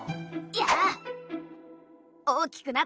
やあ！